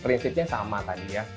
prinsipnya sama tadi ya